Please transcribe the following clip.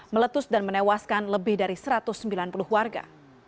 meletus dan menewaskan lebih dari satu ratus sembilan puluh warga